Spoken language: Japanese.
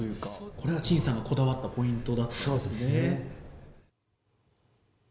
これが陳さんのこだわったポイントだったんですね。